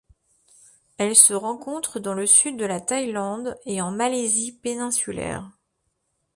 Elle se rencontre dans le sud de la Thaïlande et en Malaisie péninsulaire.